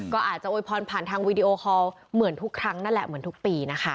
ก็อาจจะโวยพรผ่านทางวีดีโอคอลเหมือนทุกครั้งนั่นแหละเหมือนทุกปีนะคะ